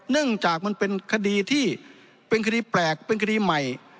เนื่องจากมันเป็นคดีที่เป็นคดีแปลกเป็นคดีใหม่